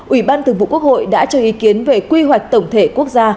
ủy ban thường vụ quốc hội đã cho ý kiến về quy hoạch tổng thể quốc gia